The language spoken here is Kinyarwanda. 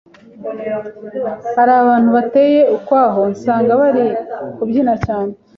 hari abantu bateye ukwaho nsanga bari kubyina cyane